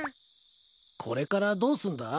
これからどうすんだ？